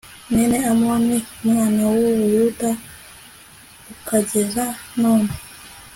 mwene Amoni umwami w u Buyuda ukageza none